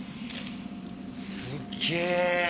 すっげえ！